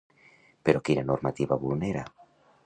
Però quina normativa vulnera?